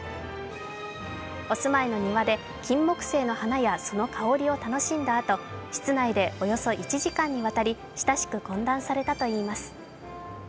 お住まいの庭でキンモクセイの花やその香りを楽しんだあと室内でおよそ１時間にわたり、親しく懇談されたといいます。